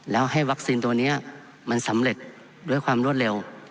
แล้วให้วัคซีนตัวนี้มันสำเร็จด้วยความรวดเร็ว